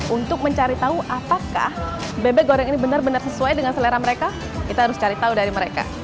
untuk mencari tahu apakah bebek goreng ini benar benar sesuai dengan selera mereka kita harus cari tahu dari mereka